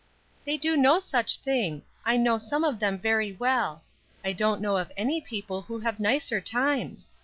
"They do no such thing; I know some of them very well; I don't know of any people who have nicer times.